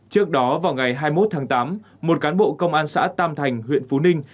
trước đó vào ngày hai mươi một tháng tám một cán bộ công an xã tam thành huyện phú ninh